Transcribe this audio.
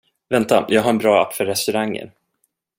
Vänta, jag har en bra app för restauranger.